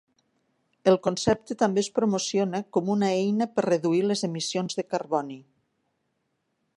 El concepte també es promociona com una eina per reduir les emissions de carboni.